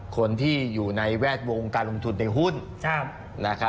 คนที่อยู่ในแวดวงการลงทุนในหุ้น